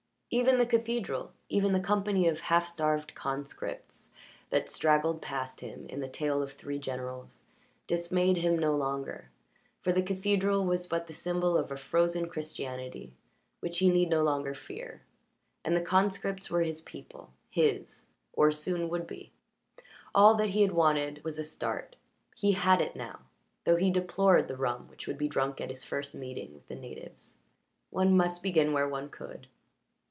Even the cathedral, even the company of half starved conscripts that straggled past him in the tail of three generals, dismayed him no longer, for the cathedral was but the symbol of a frozen Christianity which he need no longer fear, and the conscripts were his people his or soon would be. All that he had wanted was a start; he had it now, though he deplored the rum which would be drunk at his first meeting with the natives. One must begin where one could.